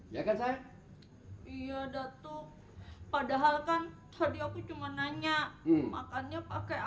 iya datu padahal kan tadi aku cuma nanya makannya pakai apa